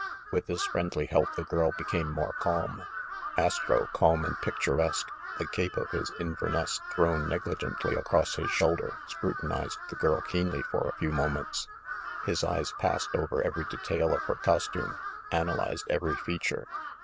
With this friendly help the girl became more calm. Astro, calm and picturesque, the cape of his Inver ness thrown negligently across his shoulder, scrutinized the girl keenly for a few moments. His eyes passed over every detail of her costume, analyzed every fea ture.